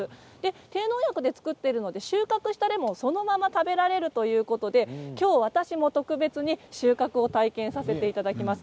低農薬で作っているので収穫したレモンをそのまま食べることができるということで私も特別に収穫を体験させていただきます。